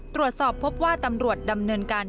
ตรวจสอบพบว่าตำรวจดำเนินการ